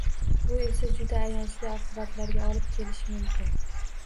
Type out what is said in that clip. Bu esa juda ayanchli oqibatlarga olib kelishi mumkin.